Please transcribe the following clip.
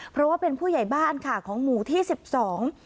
เพราะว่าเป็นผู้ใหญ่บ้านค่ะของหมู่ที่สิบสอง